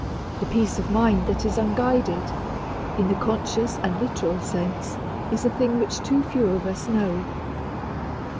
The peace of mind that is unguided, in the conscious and literal sense, is a thing which too few of us know.